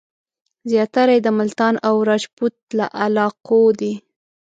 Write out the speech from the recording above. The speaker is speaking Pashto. زیاتره یې د ملتان او راجپوت له علاقو دي.